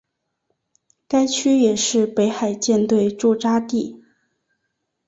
该区也是北海舰队驻扎地。